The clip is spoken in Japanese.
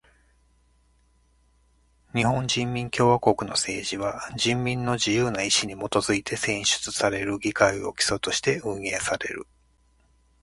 日本人民共和国の政治は人民の自由な意志にもとづいて選出される議会を基礎として運営される。